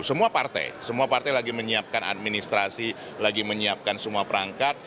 semua partai semua partai lagi menyiapkan administrasi lagi menyiapkan semua perangkat